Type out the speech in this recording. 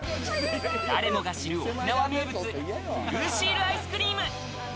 誰もが知る沖縄名物ブルーシールアイスクリーム。